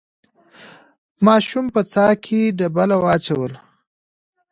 ماشوم په څاه کې ډبله واچوله.